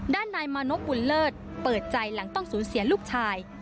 ด้านนายมานพบุญเลิศเปิดใจหลังต้องสูญเสียลูกชาย